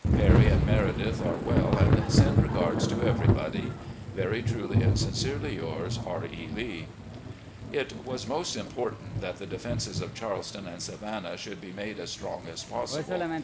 ... Perry and Meredith are well and send regards to everybody. ... "Very truly and sincerely yours, "R. E. Lee." It was most important that the defenses of Charleston and Savannah should be made as strong as possible.